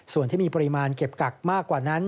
ส่วนที่มีปริมาณเก็บกักมากกว่านั้น